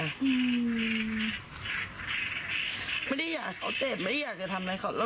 อืมไม่ได้อยากเขาเจ็บไม่ได้อยากจะทำอะไรของเขา